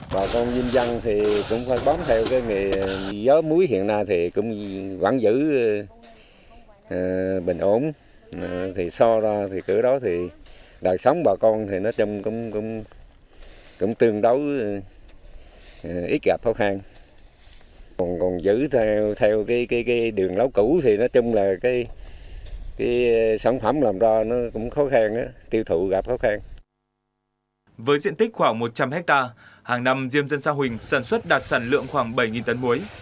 với diện tích khoảng một trăm linh hectare hàng năm diêm dân sa huỳnh sản xuất đạt sản lượng khoảng bảy tấn mối